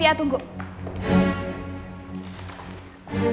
sintia tahu dari mana kalau siva sakit